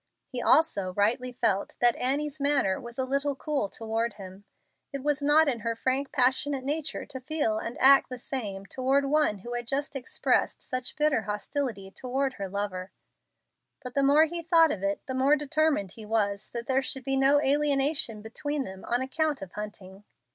He also rightly felt that Annie's manner was a little cool toward him. It was not in her frank, passionate nature to feel and act the same toward one who had just expressed such bitter hostility toward her lover. But the more he thought of it the more determined he was that there should be no alienation between them on account of Hunting.